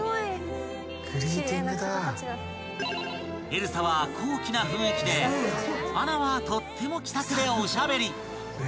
［エルサは高貴な雰囲気でアナはとっても気さくでおしゃべり］